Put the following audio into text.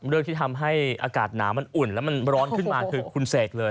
เรื่องที่ทำให้อากาศหนาวมันอุ่นแล้วมันร้อนขึ้นมาคือคุณเสกเลย